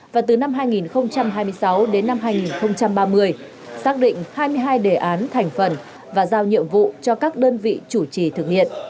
và từ năm hai nghìn hai mươi sáu đến năm hai nghìn ba mươi xác định hai mươi hai đề án thành phần và giao nhiệm vụ cho các đơn vị chủ trì thực hiện